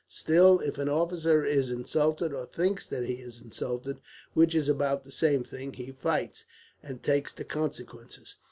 Still, if an officer is insulted or thinks that he is insulted, which is about the same thing he fights, and takes the consequences.